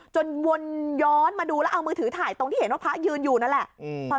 วนย้อนมาดูแล้วเอามือถือถ่ายตรงที่เห็นว่าพระยืนอยู่นั่นแหละ